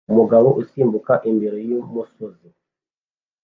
Umugabo usimbuka imbere yumusozi